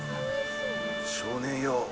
少年よ